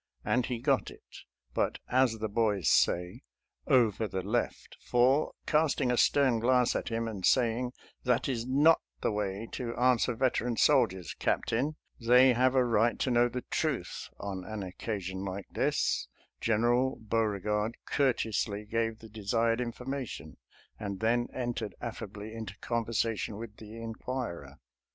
And he got it, but as the boys say, " over the left"; for, casting a stern glance at him and saying, " That is not the way to answer veteran soldiers, Captain; they have a right to know the truth on an occasion like TEXANS IN VIRGINIA 253 this," General Beauregard courteously gave the desired information, and then entered affably into conversation with the inquirer.